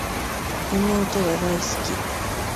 妹が大好き